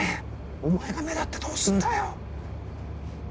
お前が目立ってどうすんだよ。